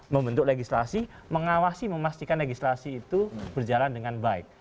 membentuk legislasi mengawasi memastikan legislasi itu berjalan dengan baik